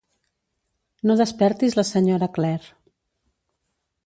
No despertis la Sra. Clare.